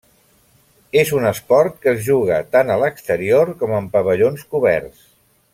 És un esport que es juga tant a l'exterior com en pavellons coberts.